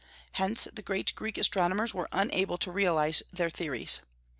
Hence the great Greek astronomers were unable to realize their theories.